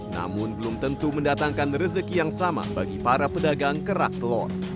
namun belum tentu mendatangkan rezeki yang sama bagi para pedagang kerak telur